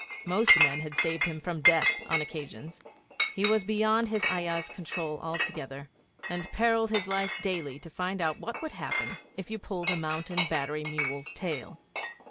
Most men had saved him from death on occasions. He was beyond his ayah's control altogether, and perilled his life daily to find out what would happen if you pulled a Mountain Battery mule's tail.